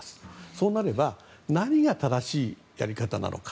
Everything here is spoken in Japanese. そうなれば何が正しいやり方なのか。